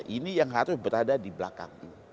ini yang harus berada di belakang